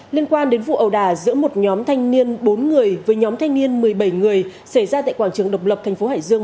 liên quan đến vụ ầu đà giữa một nhóm thanh niên bốn người với nhóm thanh niên một mươi bảy người xảy ra tại quảng trường độc lập thành phố hải dương